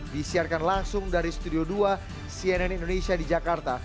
disiarkan langsung dari studio dua cnn indonesia di jakarta